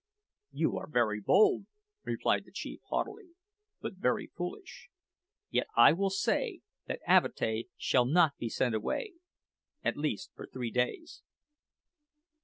"You are very bold," replied the chief haughtily, "but very foolish. Yet I will say that Avatea shall not be sent away at least, for three days."